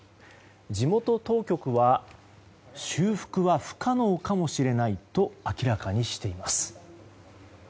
地元当局は修復は不可能かもしれないと明らかにしています。